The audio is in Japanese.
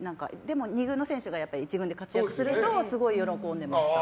２軍の選手が１軍で活躍すると、すごい喜んでました。